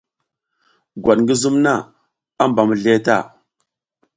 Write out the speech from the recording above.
Gwat ngi zum na, a mba mizliye ta.